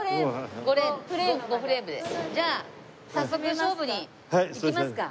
じゃあ早速勝負にいきますか。